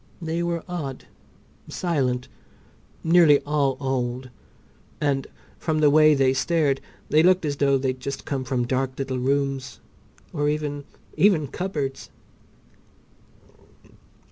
They were odd, silent, nearly all old, and from the way they stared they looked as though they'd just come from dark little rooms or even—even cupboards!